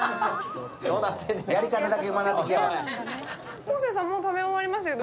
やり方だけうまなってきよる。